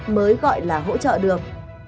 mới gọi là hỗ trợ được